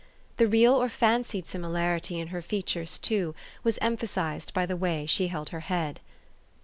The real or fancied similarity in her features, too, was emphasized by the way she held her head.